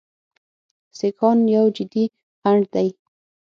سیکهان یو جدي خنډ دی.